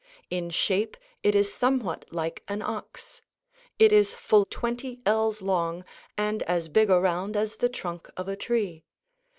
In shape it is somewhat like an ox; it is full twenty ells long, and as big around as the trunk of a tree.